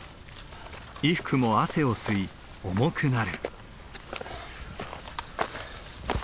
衣服も汗を吸い重くなる。